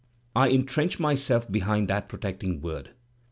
I intrench myself behind that protecting word.